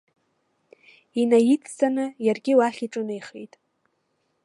Инаидҵаны, иаргьы уахь иҿынеихеит.